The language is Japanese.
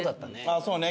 そうね。